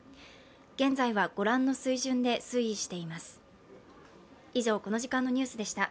現在はご覧の水準で推移しています。